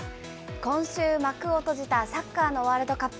今週幕を閉じたサッカーのワールドカップ。